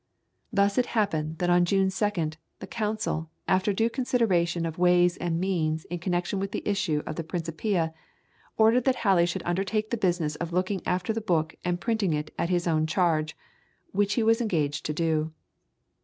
Thus it happened that on June 2nd, the Council, after due consideration of ways and means in connection with the issue of the Principia, "ordered that Halley should undertake the business of looking after the book and printing it at his own charge," which he engaged to do.